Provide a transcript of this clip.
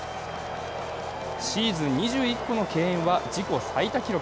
シーズン２１個の敬遠は自己最多記録。